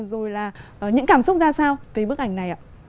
rồi là những cảm xúc ra sao về bức ảnh này ạ